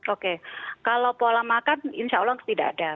oke kalau pola makan insya allah tidak ada